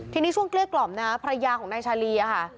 ทีนี้ช่วงเกลี้ยกล่อมนะภรรยาของนายชาลีอะค่ะ